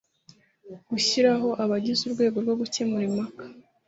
gushyiraho abagize urwego rwo gukemura impaka